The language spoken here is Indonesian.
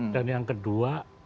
dan yang kedua